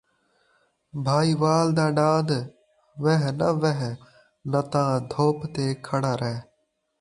بھائیوال دا ݙان٘د وہے نہ وہے نتاں دُھپ تے کھڑا رہے